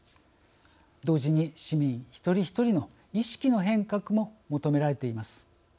同時に市民一人一人の意識の変革も求められています。